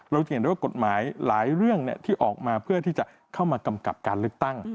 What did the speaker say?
เราจะเห็นได้ว่ากฎหมายหลายเรื่องที่ออกมาเพื่อที่จะเข้ามากำกับการเลือกตั้ง